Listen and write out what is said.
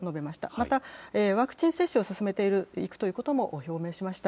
また、ワクチン接種を進めていくということも表明しました。